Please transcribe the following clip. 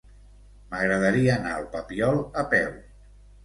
M'agradaria anar al Papiol a peu.